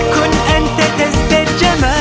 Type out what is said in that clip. kunan tetes berjemana